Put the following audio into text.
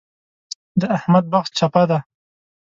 د احمد بخت چپه دی.